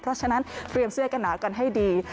เพราะฉะนั้นเตรียมเสื้อกันหนาวกันให้ดี